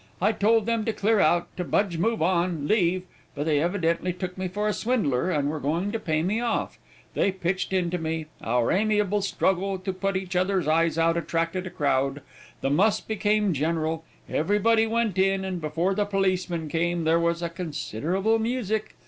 I told them to clear out, to budge, move on, leave, but they evidently took me for a swindler, and were bound to pay me off. They pitched into me; our amiable struggle to put each other's eyes out attracted a crowd; the muss became general; everybody went in, and before the policemen came there was considerable music.